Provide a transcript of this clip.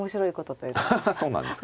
ハハハそうなんですか。